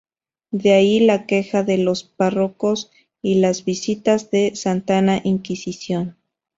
De ahí la queja de los párrocos y las visitas de la Santa Inquisición.